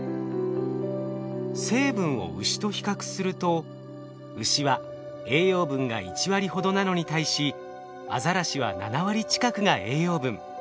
成分をウシと比較するとウシは栄養分が１割ほどなのに対しアザラシは７割近くが栄養分。